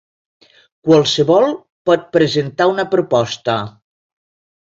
Qualsevol pot presentar una proposta.